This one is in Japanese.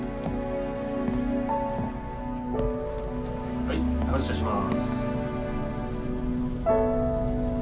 はい発車します。